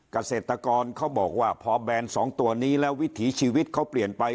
เกษตรกรเขาบอกว่าพอแบน๒ตัวนี้แล้ววิถีชีวิตเขาเปลี่ยนไป